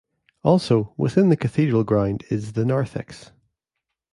Also, within the cathedral ground is the Narthex.